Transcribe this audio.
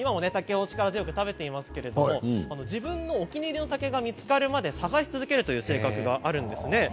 力強く食べていますけれど自分のお気に入りの竹が見つかるまで探し続けるという性格があるんです。